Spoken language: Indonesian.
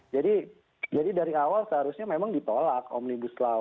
jadi dari awal seharusnya memang ditolak omnibus law